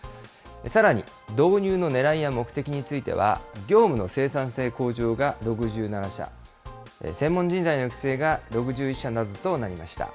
さらに導入のねらいや目的については、業務の生産性向上が６７社、専門人材の育成が６１社などとなりました。